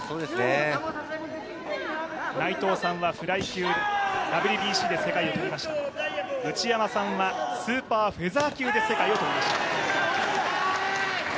内藤さんはＷＢＣで世界をとりました内山さんはスーパーフェザー級で世界を取りました。